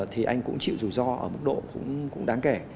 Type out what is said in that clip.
thì anh cũng chịu rủi ro ở mức độ cũng đáng kể